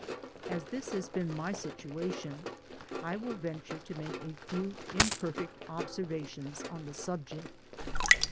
As this has been my situation, I will venture to make a few imperfect observations on the subject.